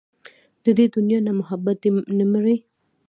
د دې دنيا نه محبت دې نه مري